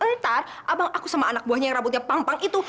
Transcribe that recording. ntar abang aku sama anak buahnya yang rambutnya pangpang itu